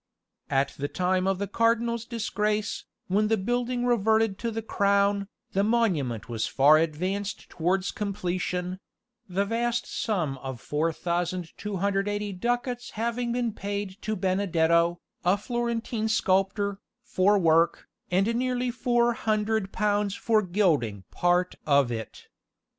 At the time of the cardinal's disgrace, when the building reverted to the crown, the monument was far advanced towards completion the vast sum of 4280 ducats having been paid to Benedetto, a Florentine sculptor, for work, and nearly four hundred pounds for gilding part of it.